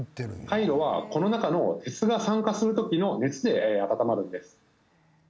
カイロは、この中の鉄が酸化する時の熱で温まるんです。